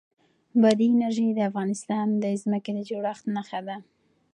بادي انرژي د افغانستان د ځمکې د جوړښت نښه ده.